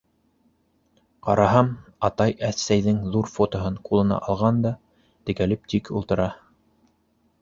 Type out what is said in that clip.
Ҡараһам, атай әсәйҙең ҙур фотоһын ҡулына алған да, текәлеп тик ултыра.